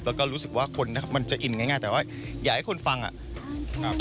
แล้วก็รู้สึกว่าคนนะครับมันจะอินง่ายแต่ว่าอยากให้คนฟังอ่ะ